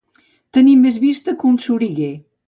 Tenir més vista que un soriguer.